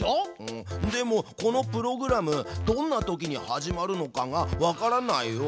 んでもこのプログラムどんなときに始まるのかがわからないよ。